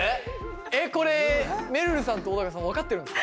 えっこれめるるさんと小高さん分かってるんですか？